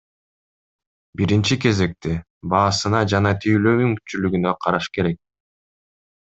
Биринчи кезекте баасына жана тейлөө мүмкүнчүлүгүнө караш керек.